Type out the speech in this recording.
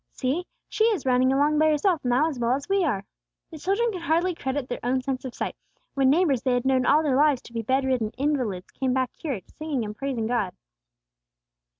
See! she is running along by herself now as well as we are!" The children could hardly credit their own sense of sight, when neighbors they had known all their lives to be bed ridden invalids came back cured, singing and praising God.